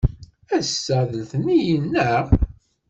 Ass-a d letniyen, naɣ?